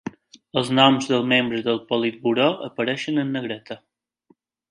Els noms dels membres del Politburó apareixen en negreta.